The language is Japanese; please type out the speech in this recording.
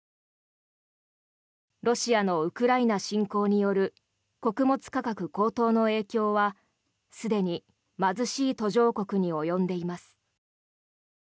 ロシアのウクライナ侵攻による穀物価格高騰の影響はすでに貧しい途上国に及んでいます。